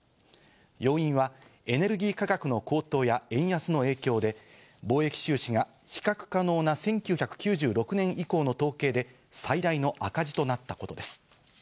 要因はエネルギー価格の高騰や円安の影響で、貿易収支が比較可能な１９９６年以降の統計で、最大の赤字となったことです。